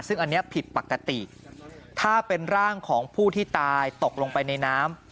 ซึ่งอันนี้ผิดปกติถ้าเป็นร่างของผู้ที่ตายตกลงไปในน้ำ